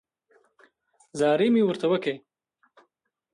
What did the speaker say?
زارۍ مې ورته وکړې.